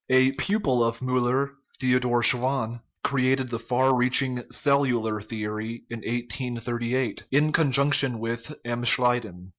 A pupil of Miiller, Theodor Schwann, created the far reaching cellular theory in 1838, in conjunction with M. Schleiden.